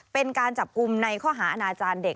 เป็นการจับกลุ่มในข้อหาอาณาจารย์เด็ก